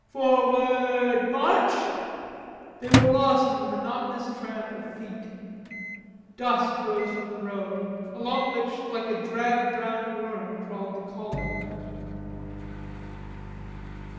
"Forwa ard, march!" They were lost in the monotonous tramp of feet. Dust rose from the road, along which like a drab brown worm crawled the column.